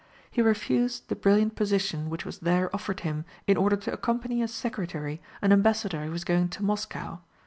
He refused the brilliant position which was there offered him in order to accompany as secretary, an ambassador who was going to Moscow.